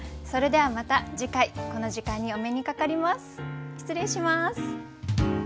それではまた次回この時間にお目にかかります。